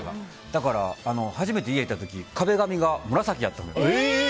だから、初めて家行った時壁紙が紫やったの。